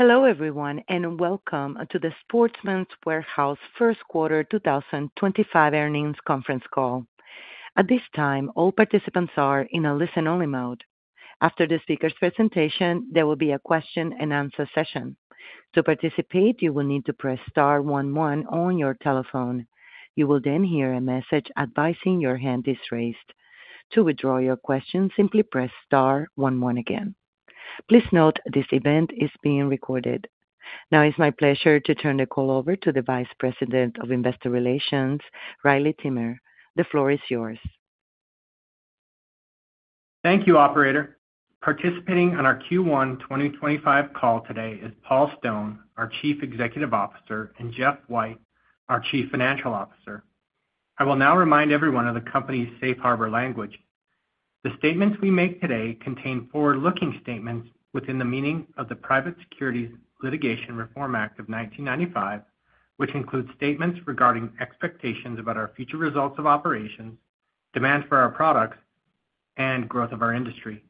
Hello everyone, and welcome to the Sportsman's Warehouse First Quarter 2025 earnings conference call. At this time, all participants are in a listen-only mode. After the speaker's presentation, there will be a question-and-answer session. To participate, you will need to press star one one on your telephone. You will then hear a message advising your hand is raised. To withdraw your question, simply press star one one again. Please note this event is being recorded. Now, it's my pleasure to turn the call over to the Vice President of Investor Relations, Riley Timmer. The floor is yours. Thank you, Operator. Participating on our Q1 2025 call today is Paul Stone, our Chief Executive Officer, and Jeff White, our Chief Financial Officer. I will now remind everyone of the company's safe harbor language. The statements we make today contain forward-looking statements within the meaning of the Private Securities Litigation Reform Act of 1995, which includes statements regarding expectations about our future results of operations, demand for our products, and growth of our industry.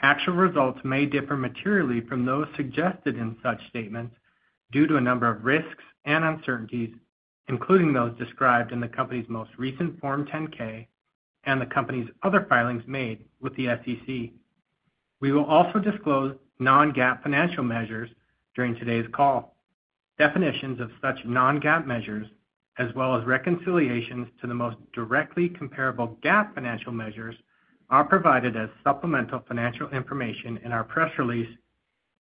Actual results may differ materially from those suggested in such statements due to a number of risks and uncertainties, including those described in the company's most recent Form 10-K and the company's other filings made with the SEC. We will also disclose non-GAAP financial measures during today's call. Definitions of such non-GAAP measures, as well as reconciliations to the most directly comparable GAAP financial measures, are provided as supplemental financial information in our press release,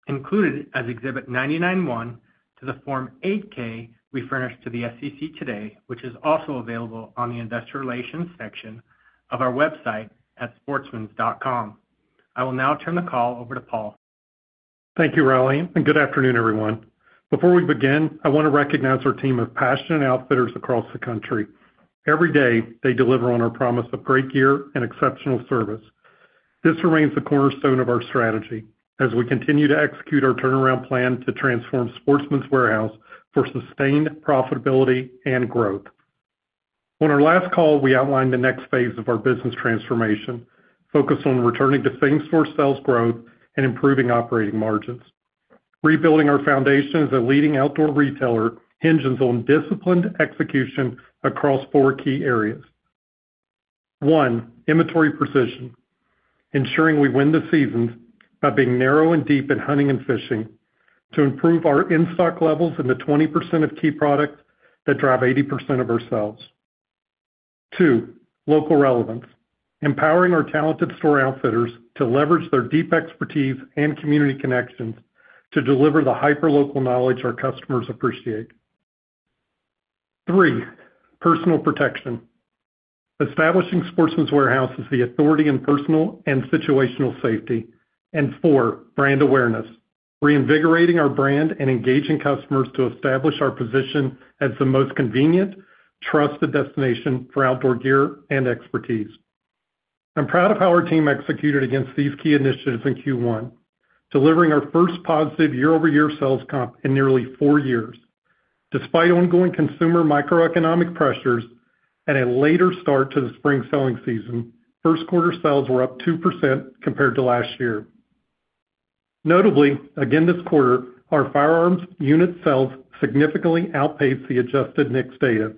included as Exhibit 99-1 to the Form 8-K we furnished to the SEC today, which is also available on the Investor Relations section of our website at sportsmans.com. I will now turn the call over to Paul. Thank you, Riley, and good afternoon, everyone. Before we begin, I want to recognize our team of passionate outfitters across the country. Every day, they deliver on our promise of great gear and exceptional service. This remains the cornerstone of our strategy as we continue to execute our turnaround plan to transform Sportsman's Warehouse for sustained profitability and growth. On our last call, we outlined the next phase of our business transformation, focused on returning to same-store sales growth and improving operating margins. Rebuilding our foundation as a leading outdoor retailer hinges on disciplined execution across four key areas: one, inventory precision, ensuring we win the seasons by being narrow and deep in hunting and fishing to improve our in-stock levels in the 20% of key products that drive 80% of our sales. Two, local relevance, empowering our talented store outfitters to leverage their deep expertise and community connections to deliver the hyper-local knowledge our customers appreciate. Three, personal protection, establishing Sportsman's Warehouse as the authority in personal and situational safety. Four, brand awareness, reinvigorating our brand and engaging customers to establish our position as the most convenient, trusted destination for outdoor gear and expertise. I'm proud of how our team executed against these key initiatives in Q1, delivering our first positive year-over-year sales comp in nearly four years. Despite ongoing consumer microeconomic pressures and a later start to the spring selling season, first-quarter sales were up 2% compared to last year. Notably, again this quarter, our firearms unit sales significantly outpaced the adjusted NICS data,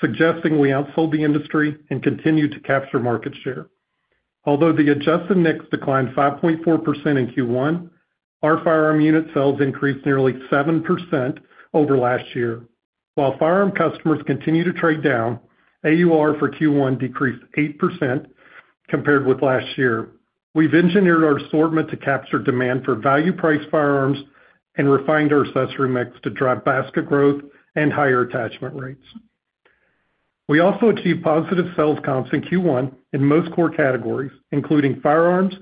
suggesting we outsold the industry and continued to capture market share. Although the adjusted NICS declined 5.4% in Q1, our firearm unit sales increased nearly 7% over last year. While firearm customers continue to trade down, AUR for Q1 decreased 8% compared with last year. We've engineered our assortment to capture demand for value-priced firearms and refined our accessory mix to drive basket growth and higher attachment rates. We also achieved positive sales comps in Q1 in most core categories, including firearms,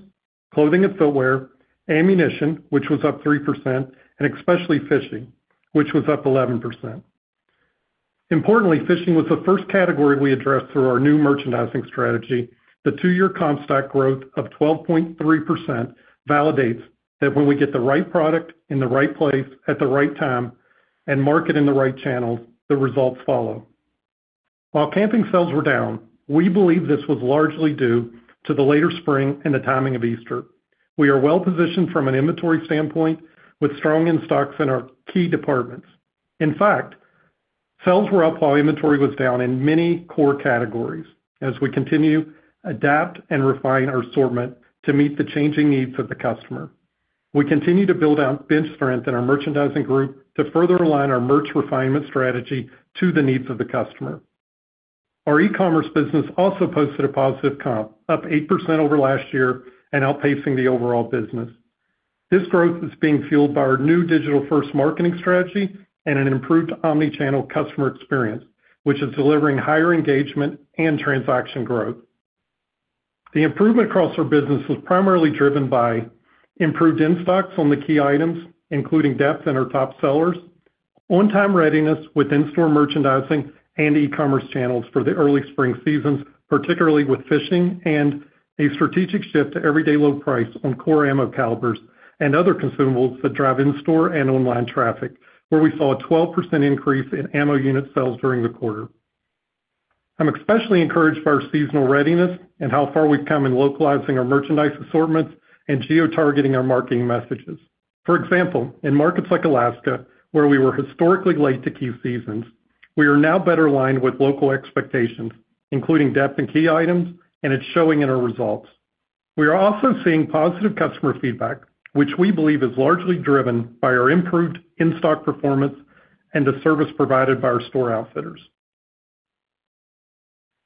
clothing and footwear, ammunition, which was up 3%, and especially fishing, which was up 11%. Importantly, fishing was the first category we addressed through our new merchandising strategy. The two-year comp stock growth of 12.3% validates that when we get the right product in the right place at the right time and market in the right channels, the results follow. While camping sales were down, we believe this was largely due to the later spring and the timing of Easter. We are well-positioned from an inventory standpoint with strong in-stocks in our key departments. In fact, sales were up while inventory was down in many core categories as we continue to adapt and refine our assortment to meet the changing needs of the customer. We continue to build out bench strength in our merchandising group to further align our merch refinement strategy to the needs of the customer. Our e-commerce business also posted a positive comp, up 8% over last year and outpacing the overall business. This growth is being fueled by our new digital-first marketing strategy and an improved omnichannel customer experience, which is delivering higher engagement and transaction growth. The improvement across our business is primarily driven by improved in-stocks on the key items, including depth in our top sellers, on-time readiness with in-store merchandising and e-commerce channels for the early spring seasons, particularly with fishing and a strategic shift to everyday low price on core ammunition calibers and other consumables that drive in-store and online traffic, where we saw a 12% increase in ammunition unit sales during the quarter. I'm especially encouraged by our seasonal readiness and how far we've come in localizing our merchandise assortments and geo-targeting our marketing messages. For example, in markets like Alaska, where we were historically late to key seasons, we are now better aligned with local expectations, including depth in key items, and it's showing in our results. We are also seeing positive customer feedback, which we believe is largely driven by our improved in-stock performance and the service provided by our store outfitters.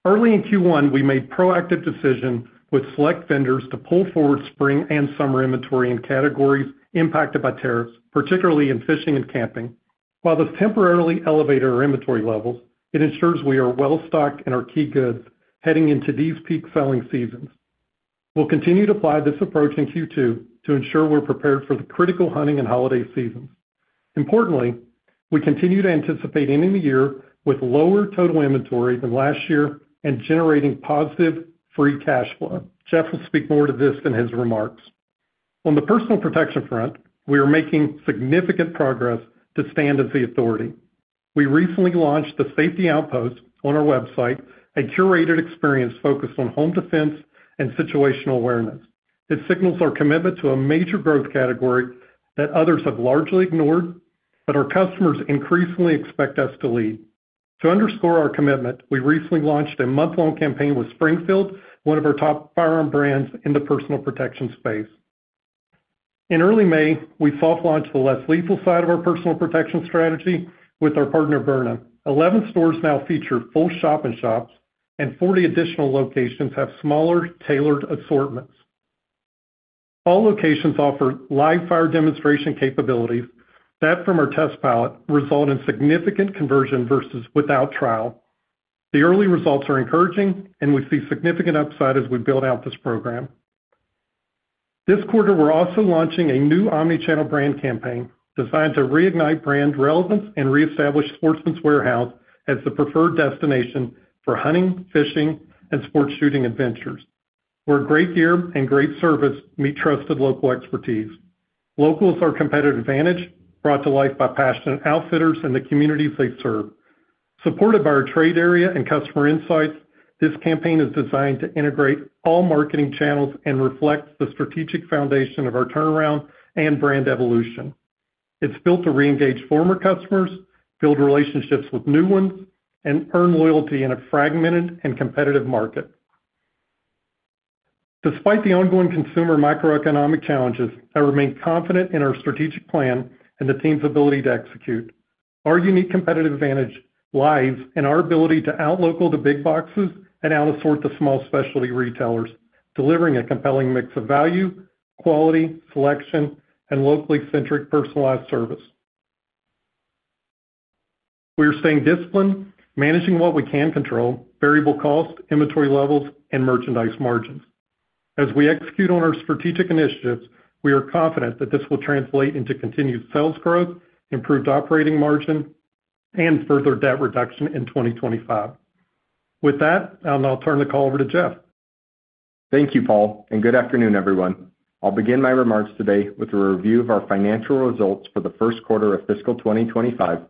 Early in Q1, we made proactive decisions with select vendors to pull forward spring and summer inventory in categories impacted by tariffs, particularly in fishing and camping. While this temporarily elevated our inventory levels, it ensures we are well-stocked in our key goods heading into these peak selling seasons. We will continue to apply this approach in Q2 to ensure we are prepared for the critical hunting and holiday seasons. Importantly, we continue to anticipate ending the year with lower total inventory than last year and generating positive free cash flow. Jeff will speak more to this in his remarks. On the personal protection front, we are making significant progress to stand as the authority. We recently launched the Safety Outpost on our website, a curated experience focused on home defense and situational awareness. It signals our commitment to a major growth category that others have largely ignored, but our customers increasingly expect us to lead. To underscore our commitment, we recently launched a month-long campaign with Springfield, one of our top firearm brands in the personal protection space. In early May, we soft-launched the less lethal side of our personal protection strategy with our partner Burnham. Eleven stores now feature full shop-in-shops, and 40 additional locations have smaller, tailored assortments. All locations offer live fire demonstration capabilities that, from our test pilot, result in significant conversion versus without trial. The early results are encouraging, and we see significant upside as we build out this program. This quarter, we're also launching a new omnichannel brand campaign designed to reignite brand relevance and reestablish Sportsman's Warehouse as the preferred destination for hunting, fishing, and sports shooting adventures, where great gear and great service meet trusted local expertise. Locals are a competitive advantage brought to life by passionate outfitters and the communities they serve. Supported by our trade area and customer insights, this campaign is designed to integrate all marketing channels and reflect the strategic foundation of our turnaround and brand evolution. It's built to reengage former customers, build relationships with new ones, and earn loyalty in a fragmented and competitive market. Despite the ongoing consumer microeconomic challenges, I remain confident in our strategic plan and the team's ability to execute. Our unique competitive advantage lies in our ability to outlocal the big boxes and out-assort the small specialty retailers, delivering a compelling mix of value, quality, selection, and locally-centric personalized service. We are staying disciplined, managing what we can control: variable costs, inventory levels, and merchandise margins. As we execute on our strategic initiatives, we are confident that this will translate into continued sales growth, improved operating margin, and further debt reduction in 2025. With that, I'll now turn the call over to Jeff. Thank you, Paul, and good afternoon, everyone. I'll begin my remarks today with a review of our financial results for the first quarter of fiscal 2025,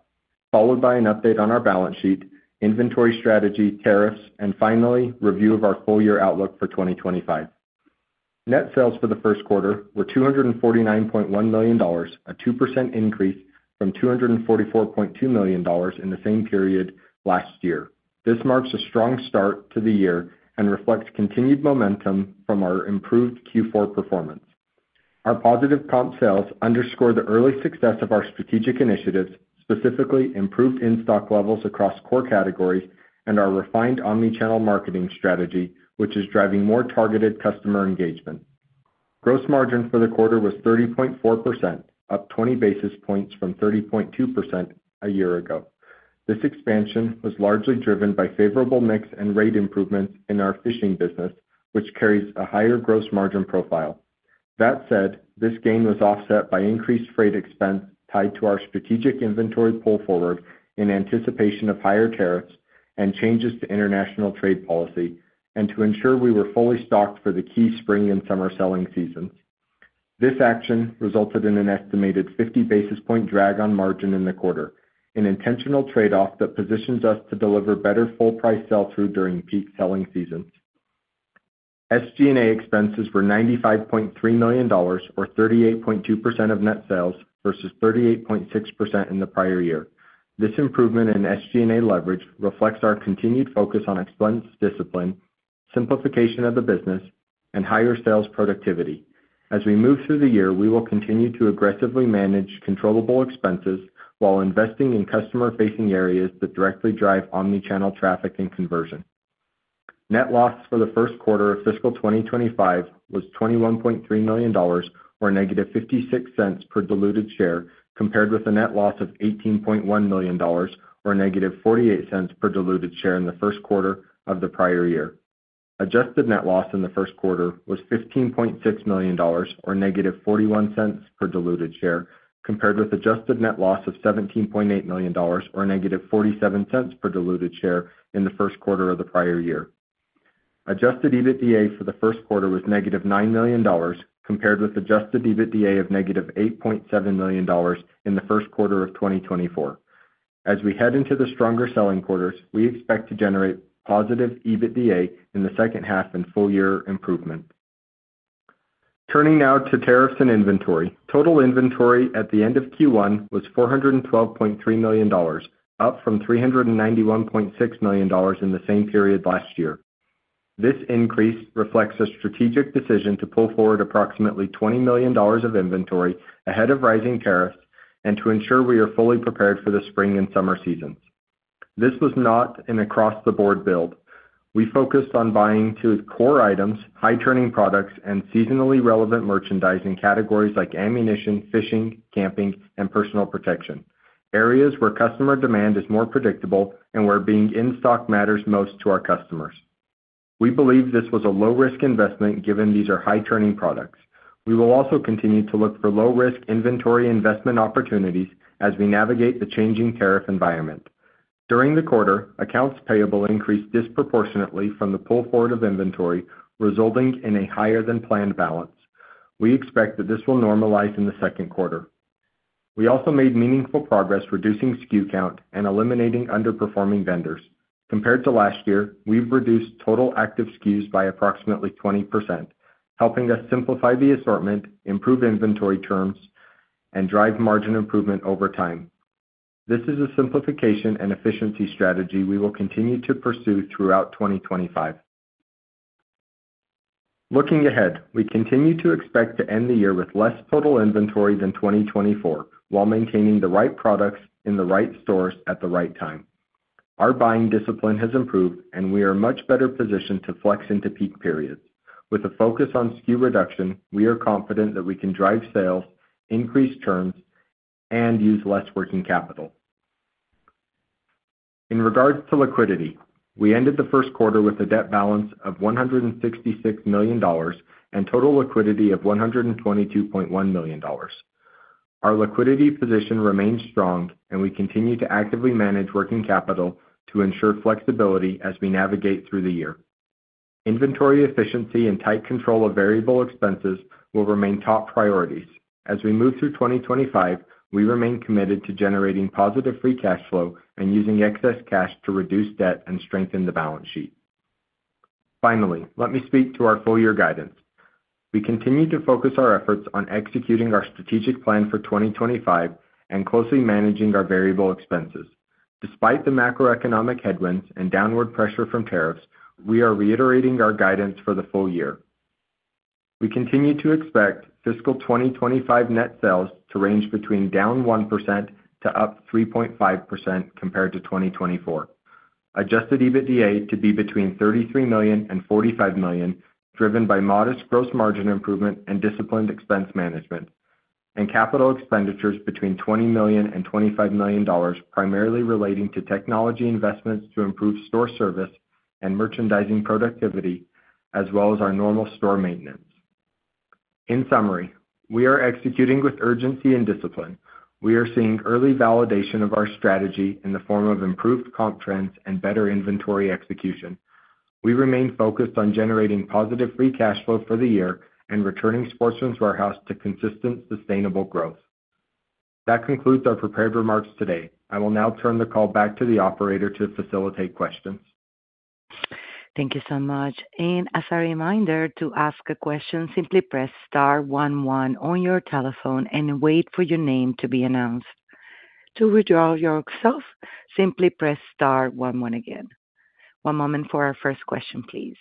followed by an update on our balance sheet, inventory strategy, tariffs, and finally, a review of our full-year outlook for 2025. Net sales for the first quarter were $249.1 million, a 2% increase from $244.2 million in the same period last year. This marks a strong start to the year and reflects continued momentum from our improved Q4 performance. Our positive comp sales underscore the early success of our strategic initiatives, specifically improved in-stock levels across core categories and our refined omnichannel marketing strategy, which is driving more targeted customer engagement. Gross margin for the quarter was 30.4%, up 20 basis points from 30.2% a year ago. This expansion was largely driven by favorable mix and rate improvements in our fishing business, which carries a higher gross margin profile. That said, this gain was offset by increased freight expense tied to our strategic inventory pull forward in anticipation of higher tariffs and changes to international trade policy, and to ensure we were fully stocked for the key spring and summer selling seasons. This action resulted in an estimated 50 basis point drag on margin in the quarter, an intentional trade-off that positions us to deliver better full-price sell-through during peak selling seasons. SG&A expenses were $95.3 million, or 38.2% of net sales, versus 38.6% in the prior year. This improvement in SG&A leverage reflects our continued focus on expense discipline, simplification of the business, and higher sales productivity. As we move through the year, we will continue to aggressively manage controllable expenses while investing in customer-facing areas that directly drive omnichannel traffic and conversion. Net loss for the first quarter of fiscal 2025 was $21.3 million, or negative $0.56 per diluted share, compared with a net loss of $18.1 million, or negative $0.48 per diluted share, in the first quarter of the prior year. Adjusted net loss in the first quarter was $15.6 million, or negative $0.41 per diluted share, compared with adjusted net loss of $17.8 million, or negative $0.47 per diluted share, in the first quarter of the prior year. Adjusted EBITDA for the first quarter was negative $9 million, compared with adjusted EBITDA of negative $8.7 million in the first quarter of 2024. As we head into the stronger selling quarters, we expect to generate positive EBITDA in the second half and full-year improvement. Turning now to tariffs and inventory, total inventory at the end of Q1 was $412.3 million, up from $391.6 million in the same period last year. This increase reflects a strategic decision to pull forward approximately $20 million of inventory ahead of rising tariffs and to ensure we are fully prepared for the spring and summer seasons. This was not an across-the-board build. We focused on buying two core items, high-turning products, and seasonally relevant merchandising categories like ammunition, fishing, camping, and personal protection, areas where customer demand is more predictable and where being in stock matters most to our customers. We believe this was a low-risk investment given these are high-turning products. We will also continue to look for low-risk inventory investment opportunities as we navigate the changing tariff environment. During the quarter, accounts payable increased disproportionately from the pull forward of inventory, resulting in a higher-than-planned balance. We expect that this will normalize in the second quarter. We also made meaningful progress reducing SKU count and eliminating underperforming vendors. Compared to last year, we've reduced total active SKUs by approximately 20%, helping us simplify the assortment, improve inventory turns, and drive margin improvement over time. This is a simplification and efficiency strategy we will continue to pursue throughout 2025. Looking ahead, we continue to expect to end the year with less total inventory than 2024 while maintaining the right products in the right stores at the right time. Our buying discipline has improved, and we are much better positioned to flex into peak periods. With a focus on SKU reduction, we are confident that we can drive sales, increase turns, and use less working capital. In regards to liquidity, we ended the first quarter with a debt balance of $166 million and total liquidity of $122.1 million. Our liquidity position remains strong, and we continue to actively manage working capital to ensure flexibility as we navigate through the year. Inventory efficiency and tight control of variable expenses will remain top priorities. As we move through 2025, we remain committed to generating positive free cash flow and using excess cash to reduce debt and strengthen the balance sheet. Finally, let me speak to our full-year guidance. We continue to focus our efforts on executing our strategic plan for 2025 and closely managing our variable expenses. Despite the macroeconomic headwinds and downward pressure from tariffs, we are reiterating our guidance for the full year. We continue to expect fiscal 2025 net sales to range between down 1% to up 3.5% compared to 2024, adjusted EBITDA to be between $33 million and $45 million, driven by modest gross margin improvement and disciplined expense management, and capital expenditures between $20 million and $25 million, primarily relating to technology investments to improve store service and merchandising productivity, as well as our normal store maintenance. In summary, we are executing with urgency and discipline. We are seeing early validation of our strategy in the form of improved comp trends and better inventory execution. We remain focused on generating positive free cash flow for the year and returning Sportsman's Warehouse to consistent, sustainable growth. That concludes our prepared remarks today. I will now turn the call back to the operator to facilitate questions. Thank you so much. As a reminder, to ask a question, simply press star one one on your telephone and wait for your name to be announced. To withdraw yourself, simply press star one one again. One moment for our first question, please.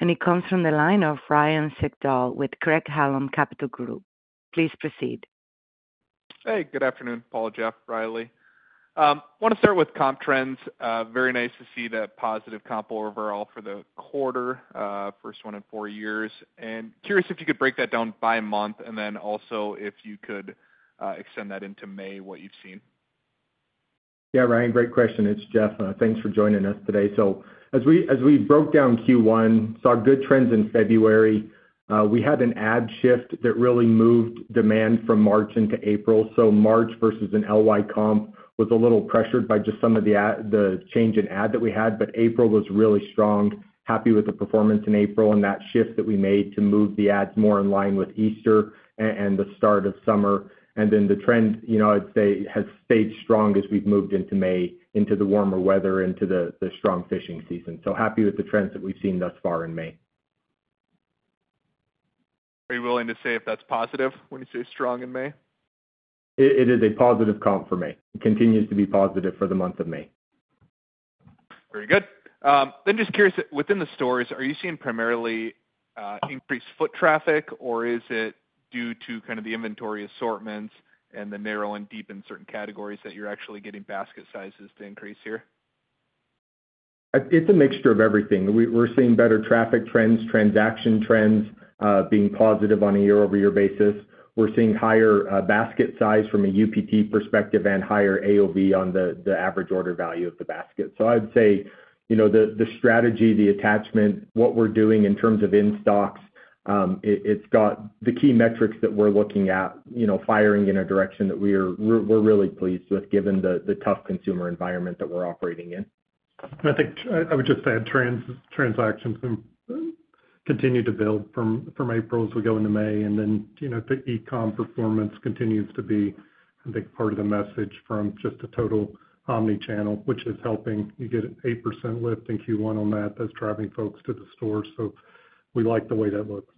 It comes from the line of Ryan Sigdahl with Craig-Hallum Capital Group. Please proceed. Hey, good afternoon, Paul, Jeff White, White. I want to start with comp trends. Very nice to see the positive comp overall for the quarter, first one in four years. Curious if you could break that down by month, and then also if you could extend that into May, what you've seen. Yeah, Ryan, great question. It's Jeff. Thanks for joining us today. As we broke down Q1, saw good trends in February. We had an ad shift that really moved demand from March into April. March versus an LY comp was a little pressured by just some of the change in ad that we had, but April was really strong. Happy with the performance in April and that shift that we made to move the ads more in line with Easter and the start of summer. The trend, you know, I'd say has stayed strong as we've moved into May, into the warmer weather, into the strong fishing season. Happy with the trends that we've seen thus far in May. Are you willing to say if that's positive when you say strong in May? It is a positive comp for May. It continues to be positive for the month of May. Very good. Then, just curious, within the stores, are you seeing primarily increased foot traffic, or is it due to kind of the inventory assortments and the narrow and deep in certain categories that you're actually getting basket sizes to increase here? It's a mixture of everything. We're seeing better traffic trends, transaction trends being positive on a year-over-year basis. We're seeing higher basket size from a UPT perspective and higher AOV on the average order value of the basket. I'd say, you know, the strategy, the attachment, what we're doing in terms of in-stocks, it's got the key metrics that we're looking at, you know, firing in a direction that we're really pleased with, given the tough consumer environment that we're operating in. I think I would just add transactions continue to build from April as we go into May, and then, you know, the e-com performance continues to be, I think, part of the message from just the total omnichannel, which is helping. You get an 8% lift in Q1 on that. That's driving folks to the store. So we like the way that looks.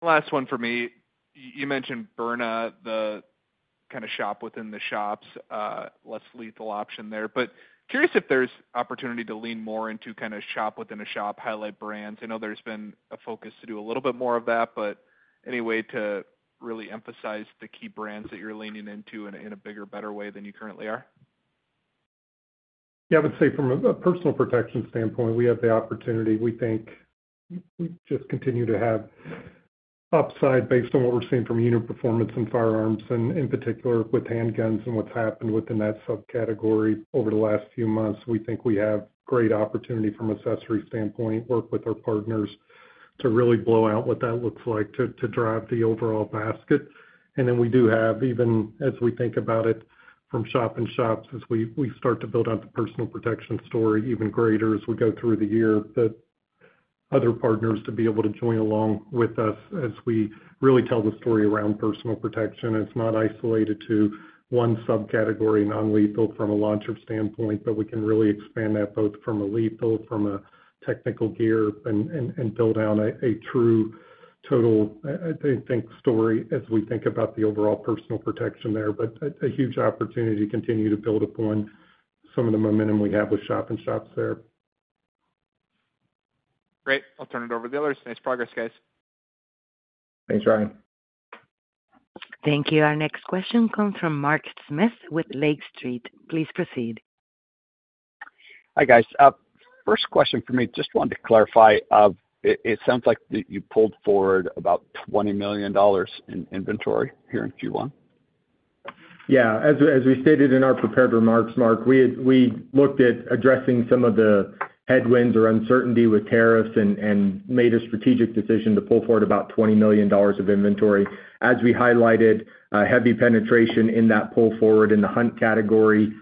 Last one for me. You mentioned Byrna, the kind of shop within the shops, less lethal option there. Curious if there's opportunity to lean more into kind of shop within a shop, highlight brands. I know there's been a focus to do a little bit more of that, but any way to really emphasize the key brands that you're leaning into in a bigger, better way than you currently are? Yeah, I would say from a personal protection standpoint, we have the opportunity. We think we just continue to have upside based on what we're seeing from unit performance and firearms, and in particular with handguns and what's happened within that subcategory over the last few months. We think we have great opportunity from an accessory standpoint, work with our partners to really blow out what that looks like to drive the overall basket. We do have, even as we think about it from shop-in-shops, as we start to build out the personal protection story even greater as we go through the year, the other partners to be able to join along with us as we really tell the story around personal protection. It's not isolated to one subcategory and less lethal from a launcher standpoint, but we can really expand that both from a lethal, from a technical gear, and build out a true total, I think, story as we think about the overall personal protection there. A huge opportunity to continue to build upon some of the momentum we have with shop-in-shops there. Great. I'll turn it over to the others. Nice progress, guys. Thanks, Ryan. Thank you. Our next question comes from Mark Smith with Lake Street. Please proceed. Hi, guys. First question for me, just wanted to clarify, it sounds like you pulled forward about $20 million in inventory here in Q1. Yeah. As we stated in our prepared remarks, Mark, we looked at addressing some of the headwinds or uncertainty with tariffs and made a strategic decision to pull forward about $20 million of inventory. As we highlighted, heavy penetration in that pull forward in the hunt category,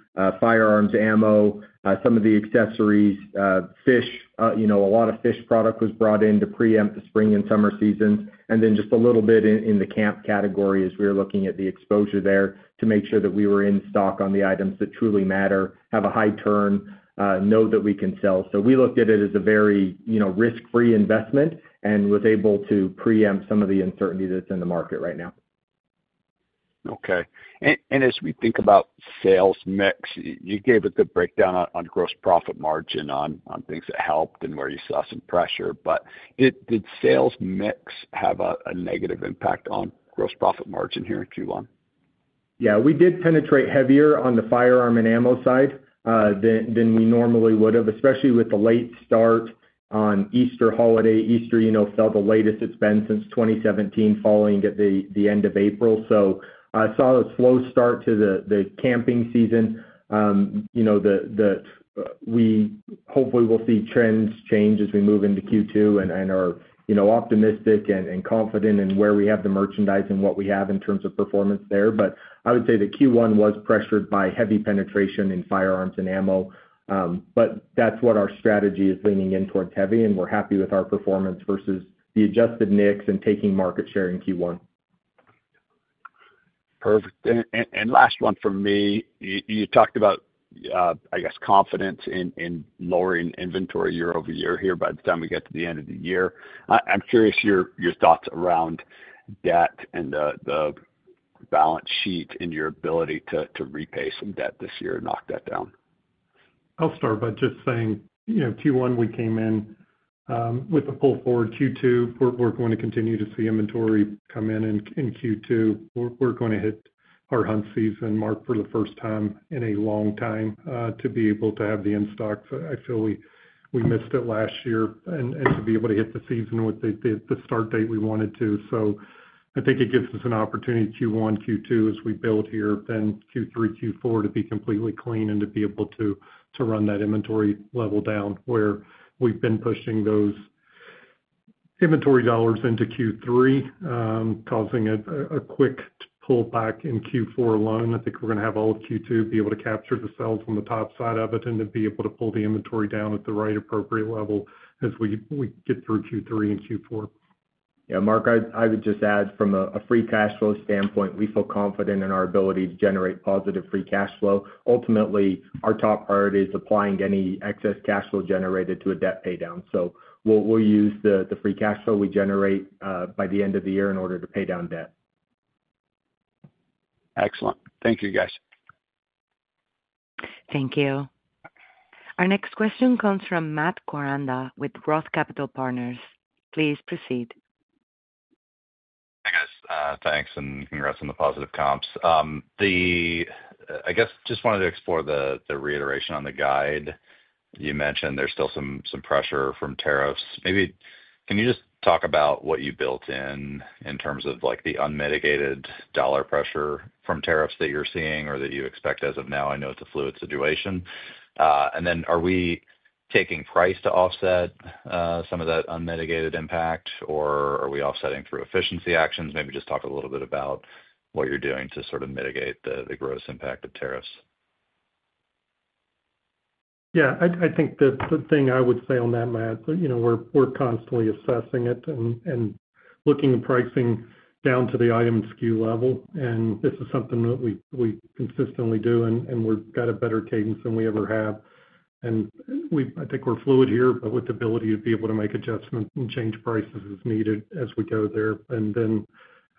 firearms, ammunition, some of the accessories, fishing, you know, a lot of fishing product was brought in to preempt the spring and summer seasons. Just a little bit in the camping category, as we were looking at the exposure there to make sure that we were in stock on the items that truly matter, have a high turn, know that we can sell. We looked at it as a very, you know, risk-free investment and was able to preempt some of the uncertainty that's in the market right now. Okay. As we think about sales mix, you gave a good breakdown on gross profit margin on things that helped and where you saw some pressure. Did sales mix have a negative impact on gross profit margin here in Q1? Yeah. We did penetrate heavier on the firearm and ammunition side than we normally would have, especially with the late start on Easter holiday. Easter, you know, felt the latest it's been since 2017, following the end of April. I saw a slow start to the camping season. You know, we hopefully will see trends change as we move into Q2 and are, you know, optimistic and confident in where we have the merchandise and what we have in terms of performance there. I would say that Q1 was pressured by heavy penetration in firearms and ammunition. That's what our strategy is, leaning in towards heavy, and we're happy with our performance versus the adjusted mix and taking market share in Q1. Perfect. Last one for me, you talked about, I guess, confidence in lowering inventory year over year here by the time we get to the end of the year. I'm curious your thoughts around debt and the balance sheet, and your ability to repay some debt this year and knock that down. I'll start by just saying, you know, Q1 we came in with a pull forward. Q2, we're going to continue to see inventory come in in Q2. We're going to hit our hunt season mark for the first time in a long time to be able to have the in-stock. I feel we missed it last year, and to be able to hit the season with the start date we wanted to. I think it gives us an opportunity, Q1, Q2 as we build here, then Q3, Q4 to be completely clean and to be able to run that inventory level down where we've been pushing those inventory dollars into Q3, causing a quick pull back in Q4 alone. I think we're going to have all of Q2 be able to capture the sales on the top side of it and to be able to pull the inventory down at the right appropriate level as we get through Q3 and Q4. Yeah, Mark, I would just add from a free cash flow standpoint, we feel confident in our ability to generate positive free cash flow. Ultimately, our top priority is applying any excess cash flow generated to a debt paydown. We'll use the free cash flow we generate by the end of the year in order to pay down debt. Excellent. Thank you, guys. Thank you. Our next question comes from Matt Koranda with ROTH Capital Partners. Please proceed. Hi, guys. Thanks. And congrats on the positive comps. I guess just wanted to explore the reiteration on the guide. You mentioned there's still some pressure from tariffs. Maybe can you just talk about what you built in in terms of like the unmitigated dollar pressure from tariffs that you're seeing or that you expect as of now? I know it's a fluid situation. And then are we taking price to offset some of that unmitigated impact, or are we offsetting through efficiency actions? Maybe just talk a little bit about what you're doing to sort of mitigate the gross impact of tariffs. Yeah. I think the thing I would say on that, Matt, you know, we're constantly assessing it and looking at pricing down to the item SKU level. This is something that we consistently do, and we've got a better cadence than we ever have. I think we're fluid here, but with the ability to be able to make adjustments and change prices as needed as we go there.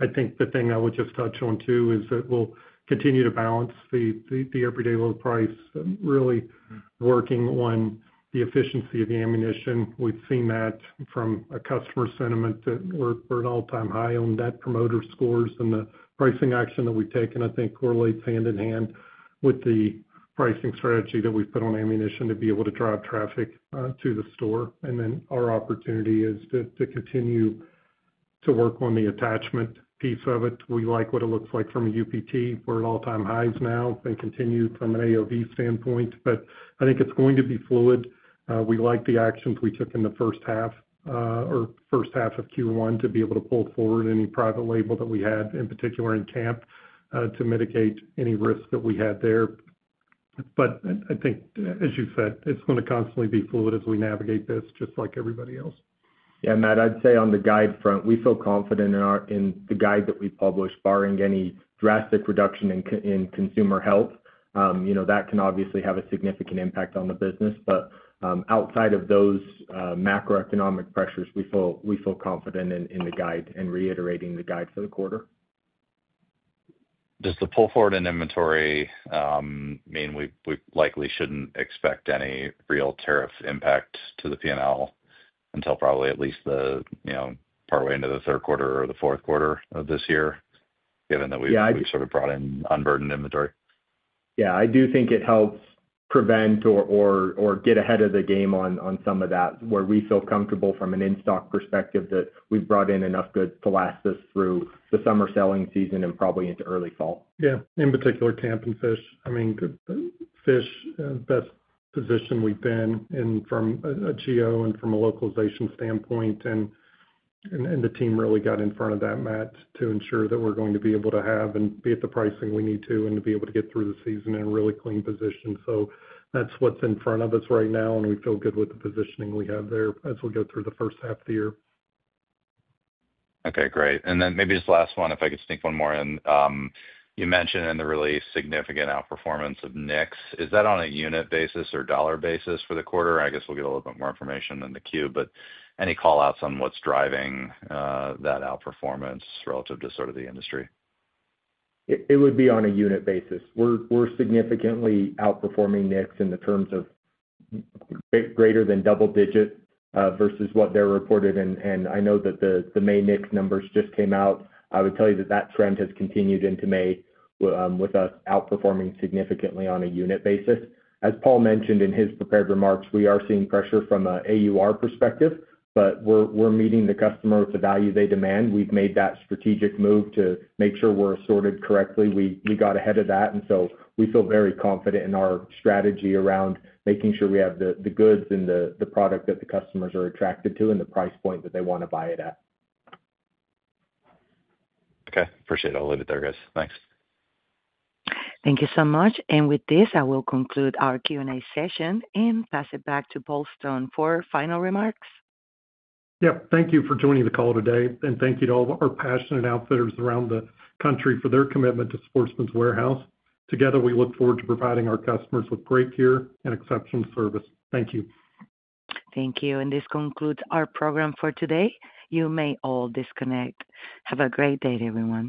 I think the thing I would just touch on, too, is that we'll continue to balance the everyday low price and really working on the efficiency of the ammunition. We've seen that from a customer sentiment that we're at an all-time high on net promoter scores, and the pricing action that we've taken, I think, correlates hand in hand with the pricing strategy that we've put on ammunition to be able to drive traffic to the store. Our opportunity is to continue to work on the attachment piece of it. We like what it looks like from a UPT. We're at all-time highs now and continue from an AOV standpoint. I think it's going to be fluid. We like the actions we took in the first half or first half of Q1 to be able to pull forward any private label that we had, in particular in camp, to mitigate any risk that we had there. I think, as you said, it's going to constantly be fluid as we navigate this, just like everybody else. Yeah, Matt, I'd say on the guide front, we feel confident in the guide that we published, barring any drastic reduction in consumer health. You know, that can obviously have a significant impact on the business. Outside of those macroeconomic pressures, we feel confident in the guide and reiterating the guide for the quarter. Does the pull forward in inventory mean we likely shouldn't expect any real tariff impact to the P&L until probably at least the, you know, partway into the third quarter or the fourth quarter of this year, given that we've sort of brought in unburdened inventory? Yeah, I do think it helps prevent or get ahead of the game on some of that, where we feel comfortable from an in-stock perspective that we've brought in enough goods to last us through the summer selling season and probably into early fall. Yeah. In particular, camp and fish. I mean, fish, the best position we've been in from a GO and from a localization standpoint. And the team really got in front of that, Matt, to ensure that we're going to be able to have and be at the pricing we need to and to be able to get through the season in a really clean position. That's what's in front of us right now, and we feel good with the positioning we have there as we go through the first half of the year. Okay, great. And then maybe just last one, if I could sneak one more in. You mentioned in the really significant outperformance of NICS. Is that on a unit basis or dollar basis for the quarter? I guess we'll get a little bit more information in the queue, but any callouts on what's driving that outperformance relative to sort of the industry? It would be on a unit basis. We're significantly outperforming NICS in the terms of greater than double-digit versus what they reported. I know that the May NICS numbers just came out. I would tell you that that trend has continued into May, with us outperforming significantly on a unit basis. As Paul mentioned in his prepared remarks, we are seeing pressure from an AUR perspective, but we're meeting the customer with the value they demand. We've made that strategic move to make sure we're assorted correctly. We got ahead of that. We feel very confident in our strategy around making sure we have the goods and the product that the customers are attracted to, and the price point that they want to buy it at. Okay. Appreciate it. I'll leave it there, guys. Thanks. Thank you so much. With this, I will conclude our Q&A session and pass it back to Paul Stone for final remarks. Yep. Thank you for joining the call today. Thank you to all of our passionate outfitters around the country for their commitment to Sportsman's Warehouse. Together, we look forward to providing our customers with great gear and exceptional service. Thank you. Thank you. This concludes our program for today. You may all disconnect. Have a great day, everyone.